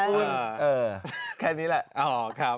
อุ่นแค่นี้แหละ